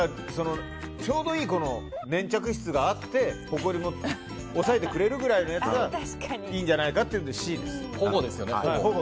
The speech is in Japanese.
ちょうどいい粘着質があってほこりも抑えてくれるぐらいのやつがいいんじゃないかっていうのでＣですね。